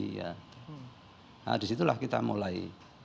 nah disitulah kita mulai